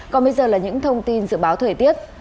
còn bây giờ là những thông tin dự báo thời tiết